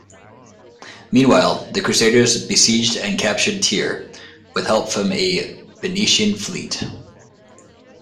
Meanwhile, the crusaders besieged and captured Tyre, with help from a Venetian fleet.